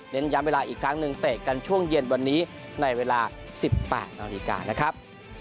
ย้ำเวลาอีกครั้งหนึ่งเตะกันช่วงเย็นวันนี้ในเวลา๑๘นาฬิกานะครับ